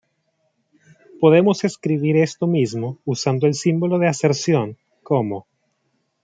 Podemos escribir esto mismo usando el símbolo de aserción como